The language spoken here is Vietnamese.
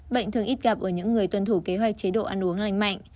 bệnh thường ít gặp ở những người tuân thủ kế hoạch chế độ ăn uống lành mạnh